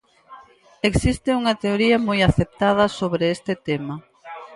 Existe unha teoría moi aceptada sobre este tema.